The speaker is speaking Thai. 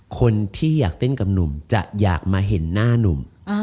คนที่อยากเต้นกับหนุ่มจะอยากมาเห็นหน้านุ่ม